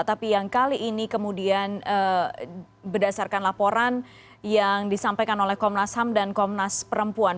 tapi yang kali ini kemudian berdasarkan laporan yang disampaikan oleh komnas ham dan komnas perempuan